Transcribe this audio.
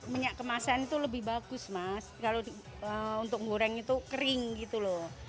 minyak kemasan itu lebih bagus mas kalau untuk goreng itu kering gitu loh